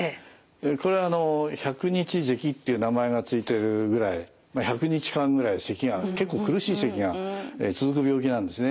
これは百日ぜきっていう名前が付いてるぐらい百日間ぐらいせきが結構苦しいせきが続く病気なんですね。